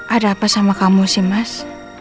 ada apa sama kamu sih mas